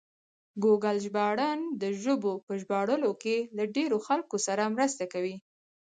ګوګل ژباړن د ژبو په ژباړلو کې له ډېرو خلکو سره مرسته کوي.